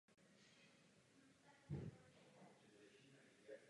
Svého manžela měla ve velké vážnosti a její vzpomínky jsou plné obdivu k němu.